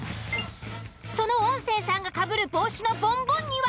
その音声さんがかぶる帽子のボンボンには。